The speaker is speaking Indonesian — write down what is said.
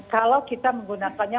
kalau kita menggunakannya